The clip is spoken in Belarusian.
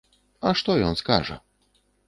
А што ён скажа?